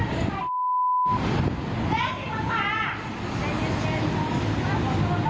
กลับมาเล่าให้ฟังครับ